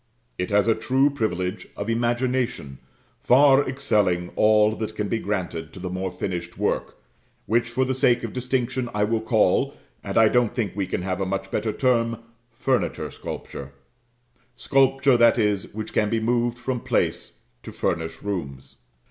It has a true privilege of imagination, far excelling all that can be granted to the more finished work, which, for the sake of distinction, I will call, and I don't think we can have a much better term "furniture sculpture;" sculpture, that is, which can be moved from place to furnish rooms.